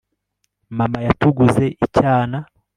mama yatuguze icyana